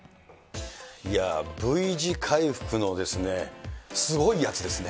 Ｖ字回復のすごいやつですね。